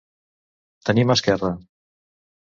Tenir mà esquerra.